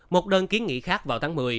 một đơn kiến nghị khác vào tháng một mươi